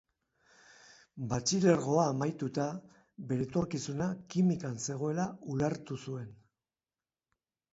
Batxilergoa amaituta, bere etorkizuna Kimikan zegoela ulertu zuen.